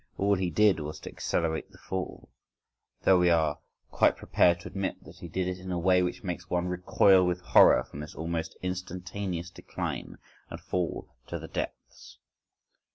All he did was to accelerate the fall,—though we are quite prepared to admit that he did it in a way which makes one recoil with horror from this almost instantaneous decline and fall to the depths.